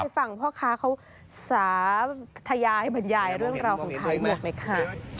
ฟังพ่อค้าเขาสาธยายให้บรรยายเรื่องราวของขายหมวกหน่อยค่ะ